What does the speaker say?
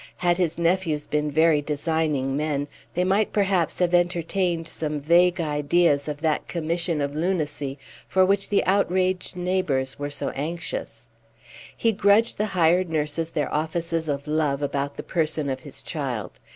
Had his nephews been very designing men, they might perhaps have entertained some vague ideas of that commission of lunacy for which the outraged neighbors were so anxious. He grudged the hired nurses their offices of love about the person of his child.